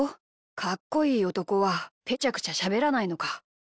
かっこいいおとこはぺちゃくちゃしゃべらないのか。